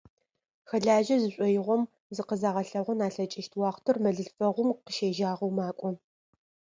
Хэлажьэ зышӏоигъохэм зыкъызагъэлъэгъон алъэкӏыщт уахътэр мэлылъфэгъум къыщегъэжьагъэу макӏо.